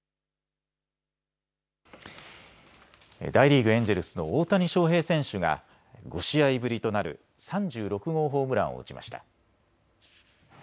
大リーグ、エンジェルスの大谷翔平選手が５試合ぶりとなる３６号ホームランを打ちました。